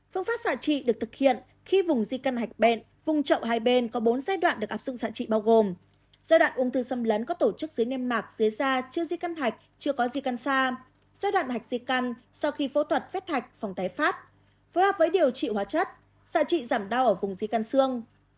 phương pháp xạ trị được thực hiện khi vùng di căn hạch bẹn vùng trậu hai bên có bốn giai đoạn được áp dụng xạ trị bao gồm giai đoạn ung thư xâm lấn có tổ chức dưới niêm mạc dưới da chưa di căn hạch chưa có di căn xa giai đoạn hạch di căn sau khi phẫu thuật vết hạch phòng tái phát phối hợp với điều trị hóa chất xạ trị giảm đau ở vùng di căn xương